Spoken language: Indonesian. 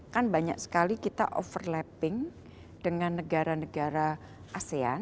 kan banyak sekali kita overlapping dengan negara negara asean